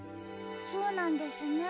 そうなんですね。